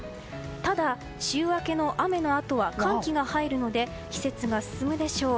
ただ、週明けの雨のあとは寒気が入るので季節が進むでしょう。